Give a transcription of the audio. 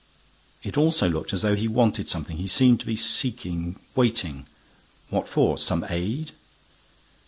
It also looked as though he wanted something. He seemed to be seeking, waiting. What for? Some aid?